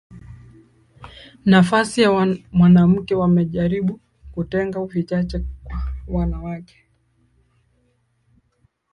nafasi ya mwanamke wamejaribu kutenga vichache kwa wanawake